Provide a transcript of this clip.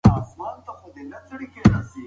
د الله ذکر د زړونو د ارامۍ سبب ګرځي.